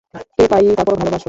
কেকায়ী- তারপরও ভালোবাসো?